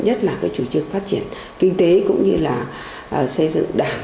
nhất là cái chủ trương phát triển kinh tế cũng như là xây dựng đảng